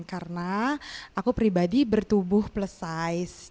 karena aku pribadi bertubuh plus size